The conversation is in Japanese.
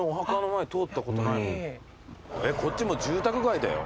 えっこっちもう住宅街だよ。